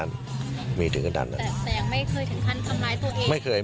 แต่ยังไม่เคยถึงขั้นทำร้ายตัวเอง